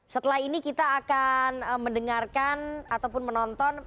setelah ini kita akan mendengarkan ataupun menonton